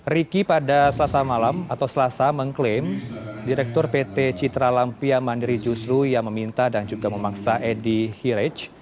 riki pada selasa malam atau selasa mengklaim direktur pt citra lampia mandiri justru yang meminta dan juga memaksa edi hirej